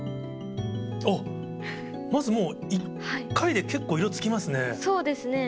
あっ、まずもう、そうですね。